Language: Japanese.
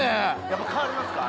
やっぱ変わりますか？